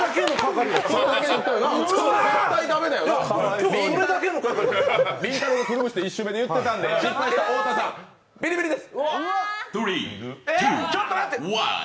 りんたろーがくるぶしって１周目に言っていたので、失敗した太田さん、ビリビリです。